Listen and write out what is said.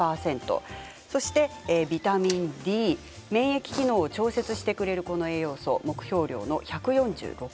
ビタミンＤは免疫機能を調節してくれる栄養素目標量の１４６％。